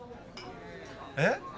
えっ？